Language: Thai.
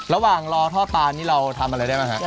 ระหว่างรอทอดปลานี่เราทำอะไรได้บ้างฮะ